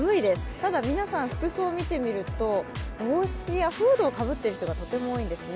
ただ皆さん、服装を見てみると帽子やフードをかぶっている人がとても多いんですね。